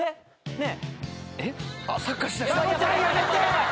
ねえ。